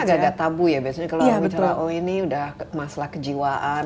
ini agak agak tabu ya biasanya kalau bicara oh ini udah masalah kejiwaan